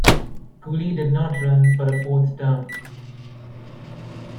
Cooley did not run for a fourth term.